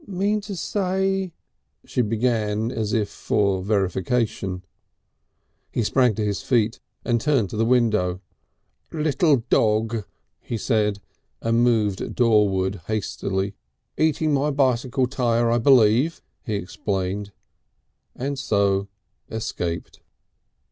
"Mean to say " she began as if for verification. He sprang to his feet, and turned to the window. "Little dog!" he said, and moved doorward hastily. "Eating my bicycle tire, I believe," he explained. And so escaped.